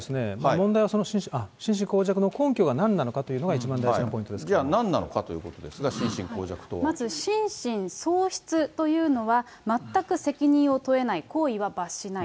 問題は心神耗弱の根拠がなんなのかというのが一番大事なポイントなんなのかということですが、まず心神喪失というのは、全く責任は問えない、行為は罰しない。